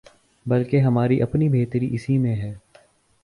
بلکہ ہماری اپنی بہتری اسی میں ہے۔